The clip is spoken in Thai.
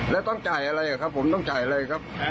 แล้วต้องจ่ายอะไรครับผมต้องจ่ายอะไรครับ